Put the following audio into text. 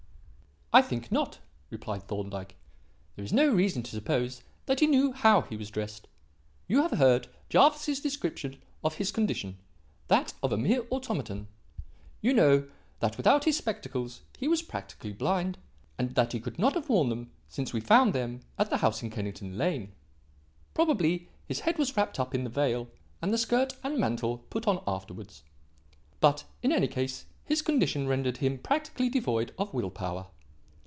"I think not," replied Thorndyke. "There is no reason to suppose that he knew how he was dressed. You have heard Jervis's description of his condition; that of a mere automaton. You know that without his spectacles he was practically blind, and that he could not have worn them since we found them at the house in Kennington Lane. Probably his head was wrapped up in the veil, and the skirt and mantle put on afterwards; but, in any case, his condition rendered him practically devoid of will power.